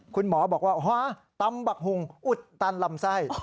คุณหมอบอกว่าตำบักหุงอุดตันลำไส้